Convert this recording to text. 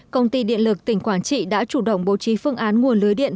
công ty điện lực tỉnh quảng trị đã chủ động bố trí phương án nguồn lưới điện